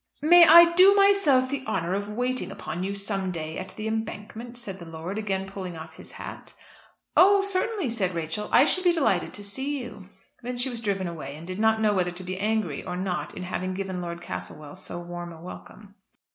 "May I do myself the honour of waiting upon you some day at 'The Embankment,'" said the lord, again pulling off his hat. "Oh! certainly," said Rachel; "I should be delighted to see you." Then she was driven away, and did not know whether to be angry or not in having given Lord Castlewell so warm a welcome.